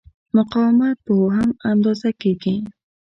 مقاومت په اوهم اندازه کېږي.